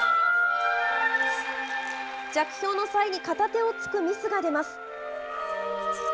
着氷の際に片手をつくミスが出ます。